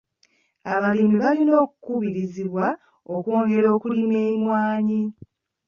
Abalimi balina okukubirizibwa okwongera okulima emmwanyi